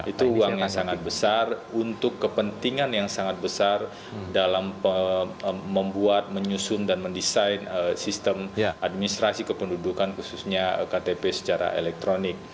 itu uang yang sangat besar untuk kepentingan yang sangat besar dalam membuat menyusun dan mendesain sistem administrasi kependudukan khususnya ktp secara elektronik